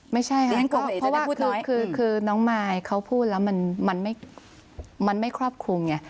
ไม่ใช่ครับเพราะว่าคือคือคือน้องมายเขาพูดแล้วมันมันไม่มันไม่ครอบคลุมไง